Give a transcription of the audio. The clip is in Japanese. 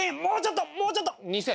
もうちょっともうちょっと！